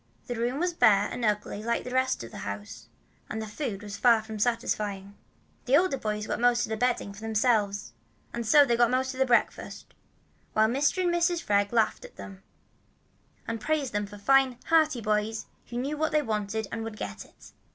The room was bare and ugly like the rest of the house, and the food was far from satisfying. As the older boys got most of the bedding for themselves, so they got most of the breakfast, while Mr. and Mrs. Freg laughed at them, and praised them for fine, hearty boys who knew what they wanted and would get it.